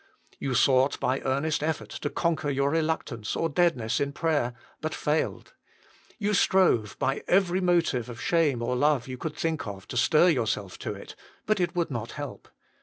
You sought by earnest effort to conquer your reluctance or deadness in prayer, but failed. You strove by every motive of shame or love you could think of to stir yourself to it, but it would not help.